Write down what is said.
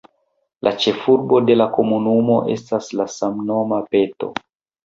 La ĉefurbo de la komunumo estas la samnoma Peto.